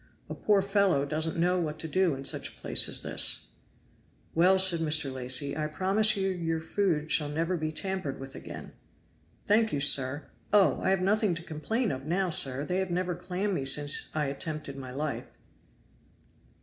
A poor fellow doesn't know what to do in such a place as this." "Well," said Mr. Lacy, "I promise you your food shall never be tampered with again." "Thank you, sir. Oh! I have nothing to complain of now, sir; they have never clammed me since I attempted my life."